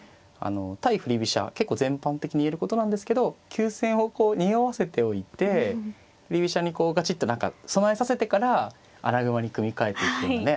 対振り飛車結構全般的に言えることなんですけど急戦をこうにおわせておいて振り飛車にこうがちっと何か備えさせてから穴熊に組み替えていくようなね。